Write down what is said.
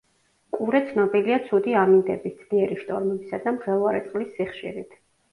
ყურე ცნობილია ცუდი ამინდების, ძლიერი შტორმებისა და მღელვარე წყლის სიხშირით.